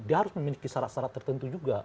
dia harus memiliki syarat syarat tertentu juga